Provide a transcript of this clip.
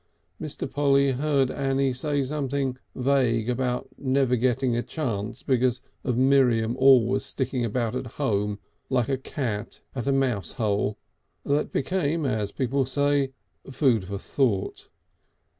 Mr. Polly heard Annie say something vague about never getting a chance because of Miriam always sticking about at home like a cat at a mouse hole, that became, as people say, food for thought.